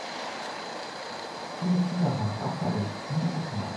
Ihre Kinder waren Rafael Zwi und Hana.